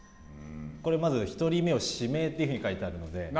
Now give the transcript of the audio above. これ、まず１人目を指名というふうに書いてあるので。